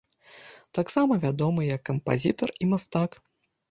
Таксама вядомы як кампазітар і мастак.